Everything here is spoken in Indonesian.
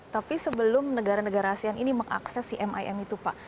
tapi sebelum negara negara asean ini mengakses si mim itu pak